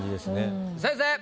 先生！